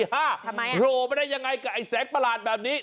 โหลไปได้ยังไงกับไอ้แสงประหลาดแบบนี้